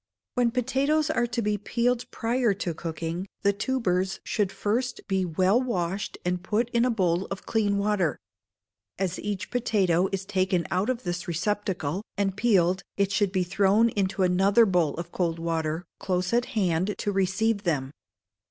When potatoes are to be peeled prior to cooking, the tubers should first be well washed and put in a bowl of clean water. As each potato is taken out of this receptacle and peeled, it should be thrown into another bowl of cold water, close at hand to receive them.